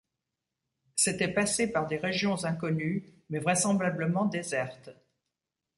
C’était passer par des régions inconnues, mais vraisemblablement désertes.